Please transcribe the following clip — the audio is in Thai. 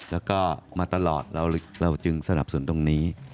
แล้วก็มาตลอดเราจึงสนับสนุนตรงนี้